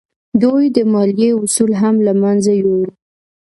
دوی د مالیې اصول هم له منځه یوړل.